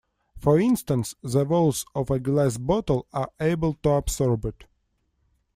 For instance the walls of a glass bottle are able to absorb it.